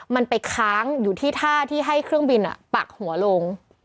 มันไปค้างอยู่ที่ท่าที่ให้เครื่องบินปักหัวลง